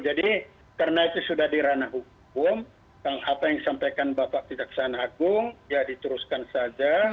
jadi karena itu sudah dirana hukum apa yang sampaikan bapak tidak sanagung ya dituruskan saja